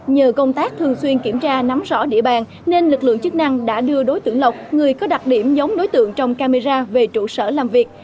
nhờ công tác thường xuyên kiểm tra nắm rõ địa bàn nên lực lượng chức năng đã đưa đối tượng lộc người có đặc điểm giống đối tượng trong camera về trụ sở làm việc